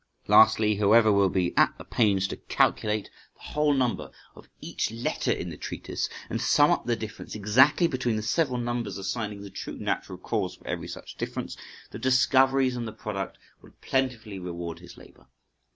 Lastly, whoever will be at the pains to calculate the whole number of each letter in this treatise, and sum up the difference exactly between the several numbers, assigning the true natural cause for every such difference, the discoveries in the product will plentifully reward his labour.